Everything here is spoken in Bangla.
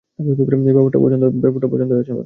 ব্যাপারটা পছন্দ হয়েছে আমার।